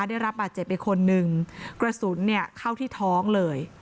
ได้รับบาดเจ็บไปคนหนึ่งกระสุนเนี่ยเข้าที่ท้องเลย